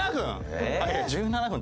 １７分！？